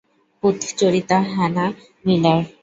পূতচরিতা Hannah Miller?